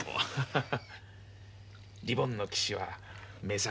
ハハハ。